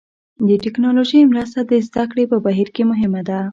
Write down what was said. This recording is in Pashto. د ټکنالوژۍ مرسته د زده کړې په بهیر کې مهمه ده.